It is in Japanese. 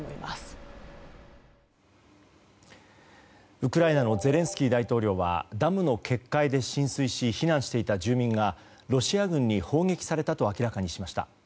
ウクライナのゼレンスキー大統領はダムの決壊で浸水し避難していた住民がロシア軍に砲撃されたと明らかにしました。